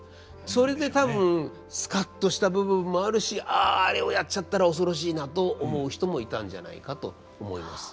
それで多分スカッとした部分もあるし「あああれをやっちゃったら恐ろしいな」と思う人もいたんじゃないかと思います。